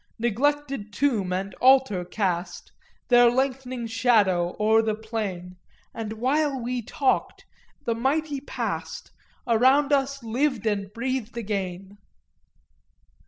Neglected tomb and altar cast Their lengthening shadow o'er the plain, And while we talked the mighty past Around us lived and breathed again!"